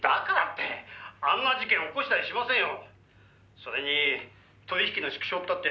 「それに取り引きの縮小ったって